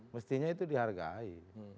mestinya itu dihargai